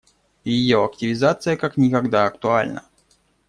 И ее активизация как никогда актуальна.